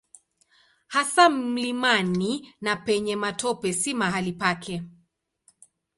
Hasa mlimani na penye matope si mahali pake.